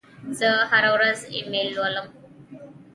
زه هره ورځ ایمیل لولم.